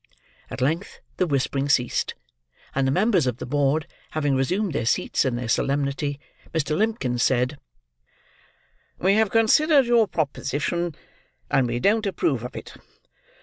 At length the whispering ceased; and the members of the board, having resumed their seats and their solemnity, Mr. Limbkins said: "We have considered your proposition, and we don't approve of it."